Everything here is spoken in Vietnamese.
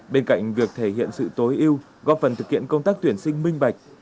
bên cạnh việc thể hiện sự tối ưu góp phần thực hiện công tác tuyển sinh minh bạch